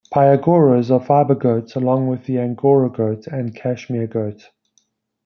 Pygoras are fiber goats along with the Angora goat and Cashmere goat.